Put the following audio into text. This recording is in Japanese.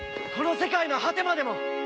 この世界の果てまでも！